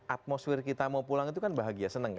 atmosfer kita mau pulang itu kan bahagia senang kan